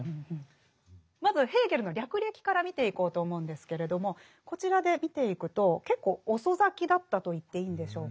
まずヘーゲルの略歴から見ていこうと思うんですけれどもこちらで見ていくと結構遅咲きだったと言っていいんでしょうか。